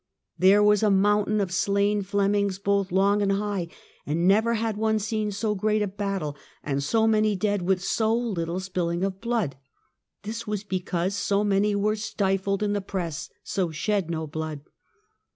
" There was a mountain of slain Flemings both long and high, and never had one seen so great a battle and so many dead with so little spilling of blood ; this was because so many were stifled in the press and so shed no blood."